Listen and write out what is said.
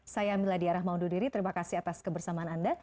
saya miladi aram maundudiri terima kasih atas kebersamaan anda